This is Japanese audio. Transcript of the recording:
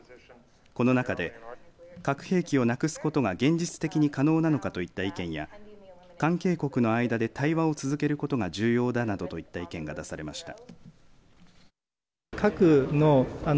この中で核兵器をなくすことが現実的に可能なのかといった意見や関係国の間で対話を続けることが重要だなどといった意見が出されました。